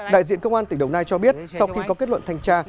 đại diện công an tỉnh đồng nai cho biết sau khi có kết luận thanh tra